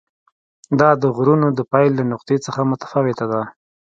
دا د غرونو د پیل له نقطې څخه متفاوته ده.